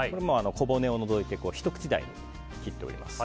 小骨を除いてひと口大に切っております。